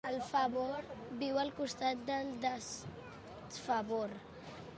El favor viu al costat del desfavor.